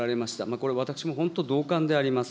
これ、私も本当同感であります。